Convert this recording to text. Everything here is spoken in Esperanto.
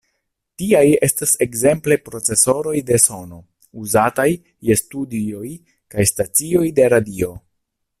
Tiaj estas ekzemple procesoroj de sono, uzataj je studioj kaj stacioj de radio.